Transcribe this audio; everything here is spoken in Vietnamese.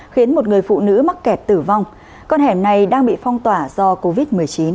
khiến một người phụ nữ mắc kẹt tử vong con hẻm này đang bị phong tỏa do covid một mươi chín